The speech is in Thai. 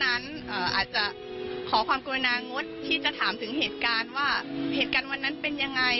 อาจจะขอความกรุณางดที่จะถามถึงเหตุการณ์ว่าเหตุการณ์วันนั้นเป็นยังไง